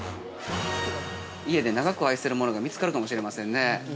◆家で長く愛せるものが見つかるかもしれませんね。